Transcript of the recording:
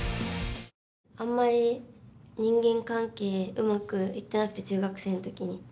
あんまり人間関係うまくいってなくて中学生の時に。